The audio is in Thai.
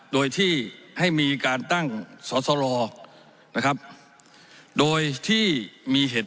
โดยที่ให้มีการตั้งสอสรนะครับโดยที่มีเหตุ